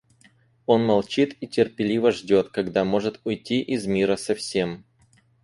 Он молчит и терпеливо ждет, когда может уйти из мира совсем.